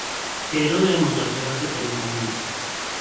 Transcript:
پیرو مذاکرات تلفنی ما